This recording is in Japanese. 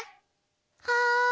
はい。